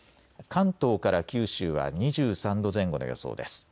関東から九州は２３度前後の予想です。